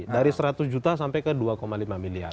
dari seratus juta sampai ke dua lima miliar